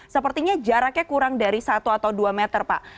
sepertinya jaraknya kurang dari satu atau dua meter pak